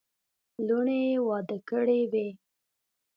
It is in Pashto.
لوڼي یې واده کړې وې.